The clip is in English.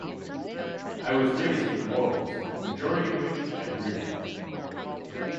I was raised with morals, the majority of which I agree with